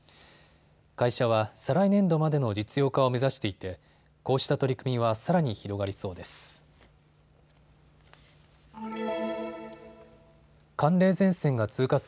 会社は再来年度までの実用化を目指していてこうした取り組みはさらに広がりそうです。